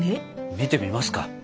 見てみますか。